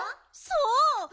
そう！